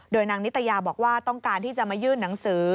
นางนิตยาบอกว่าต้องการที่จะมายื่นหนังสือ